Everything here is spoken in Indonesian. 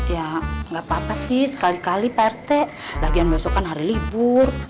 ya gak apa apa sih sekali kali pak rt lagian besok kan hari libur